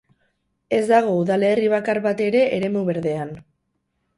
Ez dago udalerri bakar bat ere eremu berdean.